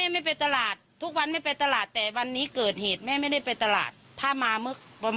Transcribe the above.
อายุ๑๐ปีนะฮะเขาบอกว่าเขาก็เห็นถูกยิงนะครับ